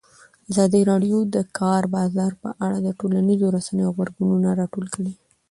ازادي راډیو د د کار بازار په اړه د ټولنیزو رسنیو غبرګونونه راټول کړي.